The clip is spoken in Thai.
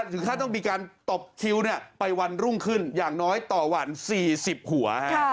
ถึงขั้นต้องมีการตบคิ้วไปวันรุ่งขึ้นอย่างน้อยต่อวัน๔๐หัว